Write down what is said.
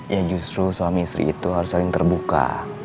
ya justru suami istri itu harus saling terbuka